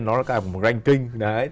nó là cả một ranking